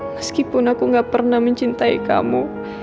meskipun aku gak pernah mencintai kamu